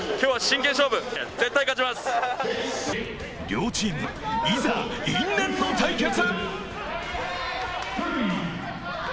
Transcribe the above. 両チーム、いざ因縁の対決。